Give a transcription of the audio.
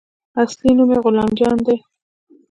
اصلي نوم يې غلام جان دى.